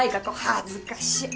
恥ずかしい。